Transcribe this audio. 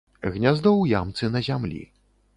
Гняздо ў ямцы на зямлі.